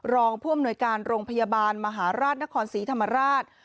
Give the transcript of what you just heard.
รองผู้อำนวยการโรงพยาบาลมหาราชนครศรีธรรมราช